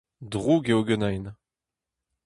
Drouk eo ganin.